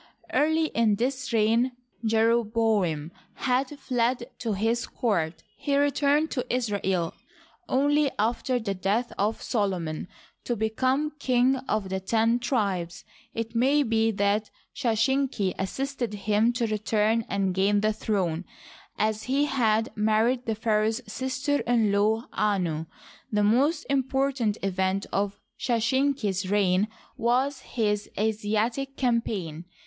Early in this reign Jeroboam had fled to his court. He returned to Israel only after the death of Solomon, to be come king of the ten tribes. It may be that Sheshenq assisted him to return and gain the throne, as he had mar ried the pharaoh's sister in law Ano, The most important event of Sheshenq's reign was his Asiatic campaign.